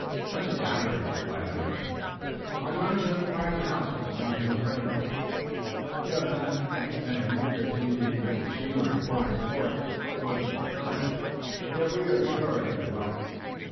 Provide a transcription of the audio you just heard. "Not a tavern," replied the hunter. "My mind's on a private house, belonging to a friend of mine. You have not met him because he is at sea or in foreign parts most of the time. Yet we are assured of a welcome."